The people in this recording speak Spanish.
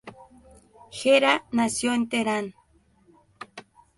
Hera nació en Teherán.